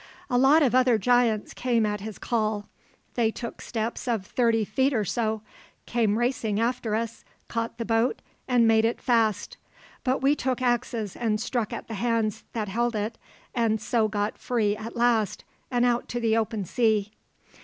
A lot of other giants came at his call. They took steps of thirty feet or so, came racing after us, caught the boat, and made it fast; but we took axes and struck at the hands that held it, and so got free at last and out to the open sea.